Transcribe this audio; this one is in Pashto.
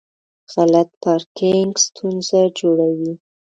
غلط پارکینګ ستونزه جوړوي.